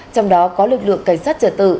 trong đó có lực lượng cảnh sát trật tự